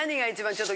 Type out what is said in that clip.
ちょっと